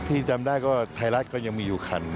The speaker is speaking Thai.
ที่จำได้ก็ไทยรัฐก็ยังมีอยู่คัน